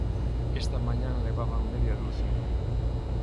Esta mañá levaban media ducia.